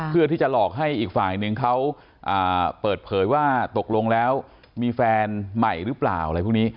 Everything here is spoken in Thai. เพื่อที่จะหลอกให้อีกฝ่ายนึงเขาเปิดเผยว่าตกลงแล้วมีแฟนใหม่หรือเปล่าอะไรพวกนี้